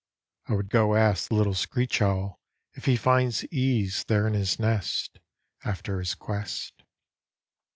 I would go ask The little screech owl If he finds ease There in his nest After his quest.